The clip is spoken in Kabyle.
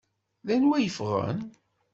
D anwa i yeffɣen?